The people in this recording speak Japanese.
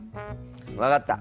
分かった！